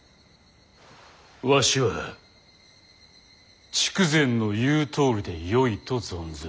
わしは筑前の言うとおりでよいと存ずる。